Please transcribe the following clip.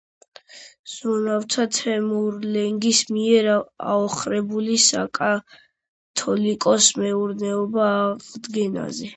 ზრუნავდა თემურლენგის მიერ აოხრებული საკათალიკოსოს მეურნეობის აღდგენაზე.